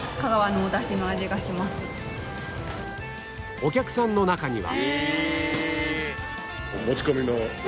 お客さんの中には